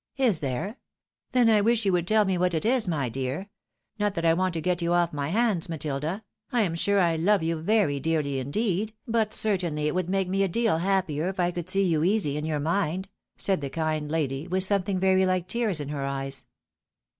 " Is there ? Then I wish you would teU me what it is, my dear. Not that I want to get you off my hands, Matilda ; I am sure I love you very dearly indeed, but certainly it would make me a deal happier if I could see you easy in your mind," said the kind lady with something very like tears in her eyes.